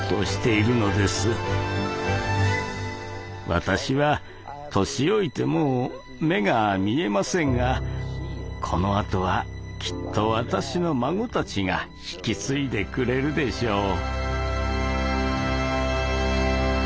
私は年老いてもう目が見えませんがこのあとはきっと私の孫たちが引き継いでくれるでしょう。